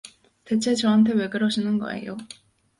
대체 저한테 왜 그러시는 거에요?